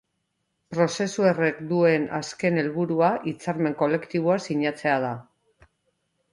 Prozesu horrek duen azken helburua hitzarmen kolektiboa sinatzea da.